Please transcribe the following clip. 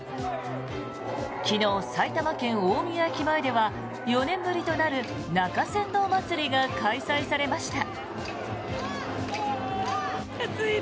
昨日、埼玉県・大宮駅前では４年ぶりとなる中山道まつりが開催されました。